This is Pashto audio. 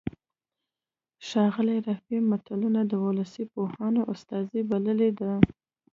ښاغلي رفیع متلونه د ولسي پوهانو استازي بللي دي